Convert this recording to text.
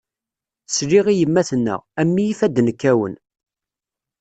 Sliɣ i yemma tenna, a mmi ifadden kkawen.